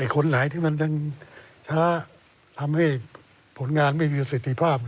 คนไหนที่มันยังช้าทำให้ผลงานไม่มีประสิทธิภาพ